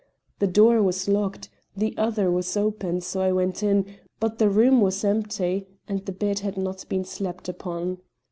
One door was locked; the other was open, so I went in, but the room was empty, and the bed had not been slept upon.